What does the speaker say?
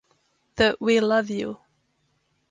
The We Love You!